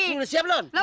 lu udah siap don